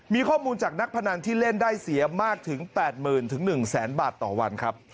มีข้อมูลจากนักพนันที่เล่นได้เสียมากถึง๘๐๐๐๑๐๐๐บาทต่อวันครับ